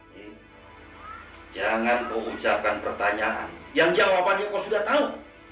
jangan kau ucapkan pertanyaan yang jawabannya kau sudah tahu